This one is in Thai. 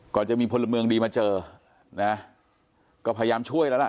ก่อนจะมีพลเมืองดีมาเจอนะก็พยายามช่วยแล้วล่ะ